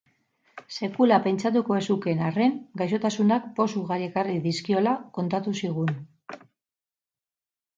Sekula pentsatuko ez zukeen arren, gaixotasunak poz ugari ekarri dizkiola kontatu zigun.